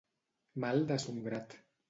Mal de son grat.